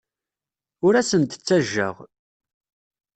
Ur asen-d-ttajjaɣ.